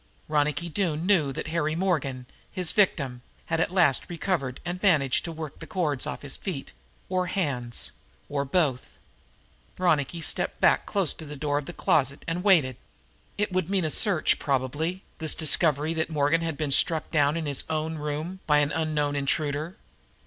Ronicky Doone knew that Harry Morgan, his victim, had at last recovered and managed to work the cords off his feet or hands, or both. Ronicky stepped back close to the door of the closet and waited. It would mean a search, probably, this discovery that Morgan had been struck down in his own room by an unknown intruder.